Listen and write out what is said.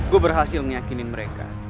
gue berhasil ngeyakinin mereka